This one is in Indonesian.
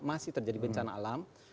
masih terjadi bencana alam